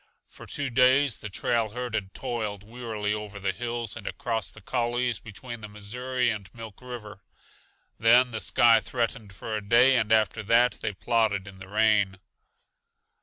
For two days the trail herd had toiled wearily over the hills and across the coulees between the Missouri and Milk River. Then the sky threatened for a day, and after that they plodded in the rain.